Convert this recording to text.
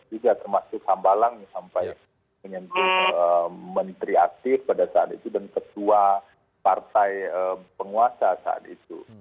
juga termasuk hambalang sampai menyentuh menteri aktif pada saat itu dan ketua partai penguasa saat itu